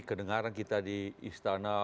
kedengaran kita di istana